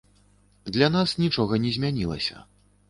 Для нас нічога не змянілася.